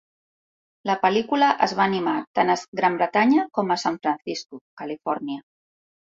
La pel·lícula es va animar tant a Gran Bretanya com a San Francisco, Califòrnia.